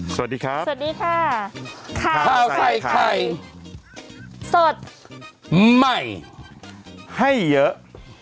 สวัสดีครับสวัสดีค่ะข้าวใส่ไข่สดใหม่ให้เยอะ